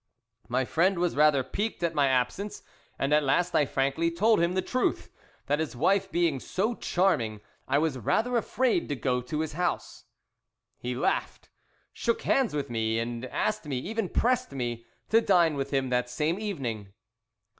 "My friend was rather piqued at my absence, and at last I frankly told him the truth, that his wife being so charming I was rather afraid to go to his house. He laughed, shook hands with me, and asked me, even pressed me, to dine with him that same evening.